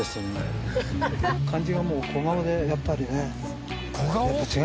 感じがもう小顔でやっぱりね。